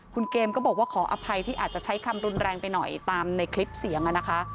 คุณเกมก็บอกว่าขออภัยที่อาจจะใช้คำรุนแรงไปหน่อยตามในคลิปเสียงนะคะ